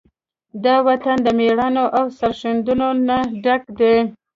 دا وطن د مېړانو، او سرښندنو نه ډک دی.